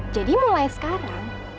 jadi mulai sekarang